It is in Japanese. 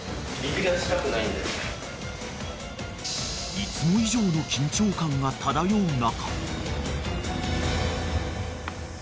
［いつも以上の緊張感が漂う中］